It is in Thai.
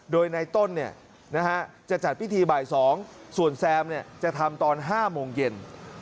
โดยในต้นจะจัดพิธีบ่าย๒ส่วนแซมจะทำตอน๕โมงเย็น